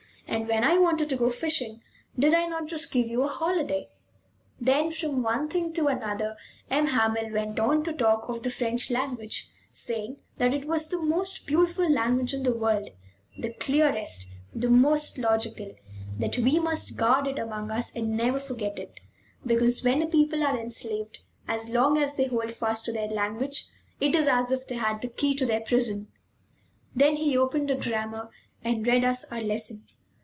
And when I wanted to go fishing, did I not just give you a holiday?" Then, from one thing to another, M. Hamel went on to talk of the French language, saying that it was the most beautiful language in the world the clearest, the most logical; that we must guard it among us and never forget it, because when a people are enslaved, as long as they hold fast to their language it is as if they had the key to their prison. Then he opened a grammar and read us our lesson.